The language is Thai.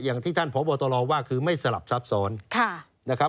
อย่างที่ท่านพบตรว่าคือไม่สลับซับซ้อนนะครับ